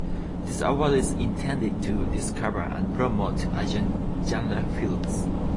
This award is intended to discover and promote Asian genre films.